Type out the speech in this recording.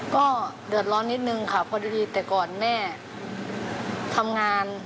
ก็เดือดร้อนนิดนึงค่ะพอดีแต่ก่อนแม่ทำงาน